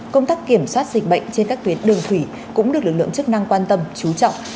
công tác kiểm soát dịch bệnh trên các tuyến đường thủy cũng được lực lượng chức năng quan tâm chú trọng